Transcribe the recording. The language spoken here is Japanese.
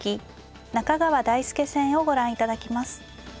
中川大輔戦をご覧いただきます。